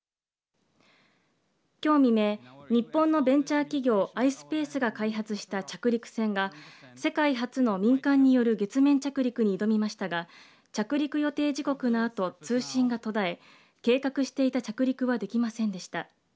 きょう未明日本のベンチャー企業ｉｓｐａｃｅが開発した着陸船が世界初の民間による月面着陸に挑みましたが着陸予定時刻のあと通信が途絶え計画していた着陸はできませんでした。